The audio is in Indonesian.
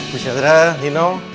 bu chandra dino